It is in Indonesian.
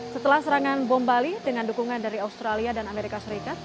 setelah serangan bom bali dengan dukungan dari australia dan amerika serikat